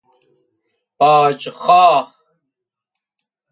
باج خواه